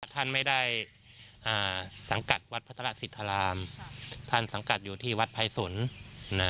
ท่านไม่ได้สังกัดวัดพัทรสิทธารามท่านสังกัดอยู่ที่วัดภัยสนนะ